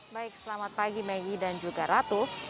baik selamat pagi maggie dan juga ratu